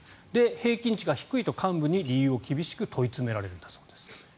平均値が低いと幹部に厳しく理由を問い詰められるんだそうです。